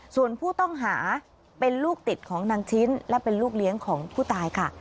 ส่วนผู้ต้องหาเป็นลูกติดของนางชิ้นและเป็นลูกเลี้ยงของผู้ตายค่ะ